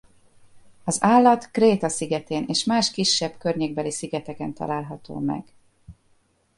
Az állat Kréta szigetén és más kisebb környékbeli szigeteken található meg.